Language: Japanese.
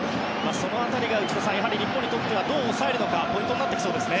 その辺りが内田さん、日本にとってどう抑えるかポイントになってきそうですね。